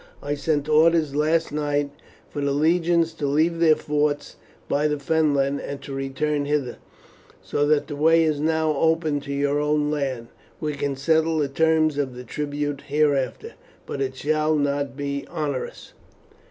I sent orders last night for the legions to leave their forts by the Fenland and to return hither, so that the way is now open to your own land. We can settle the terms of the tribute hereafter, but it shall not be onerous."